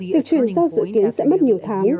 việc chuyển giao dự kiến sẽ mất nhiều tháng